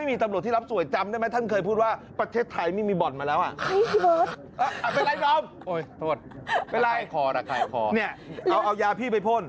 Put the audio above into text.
มีบอทมาแล้วอ่ะโอ๊ยโทษไปไล่ขอนี่เอายาพี่ไปพ่น